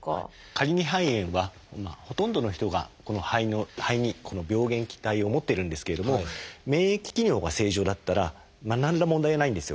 カリニ肺炎はほとんどの人が肺にこの病原体を持っているんですけれども免疫機能が正常だったら何ら問題はないんですよね。